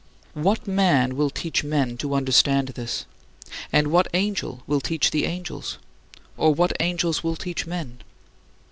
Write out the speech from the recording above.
What man will teach men to understand this? And what angel will teach the angels? Or what angels will teach men?